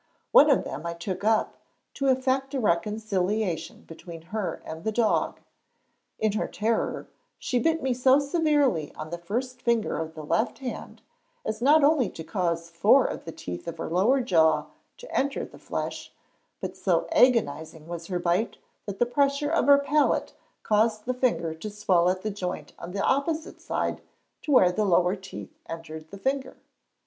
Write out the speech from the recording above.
One of them I took up, to effect a reconciliation between her and the dog. In her terror, she bit me so severely on the first finger of the left hand, as not only to cause four of the teeth of her lower jaw to enter the flesh, but so agonizing was her bite that the pressure of her palate caused the finger to swell at the joint on the opposite side to where the lower teeth entered the finger.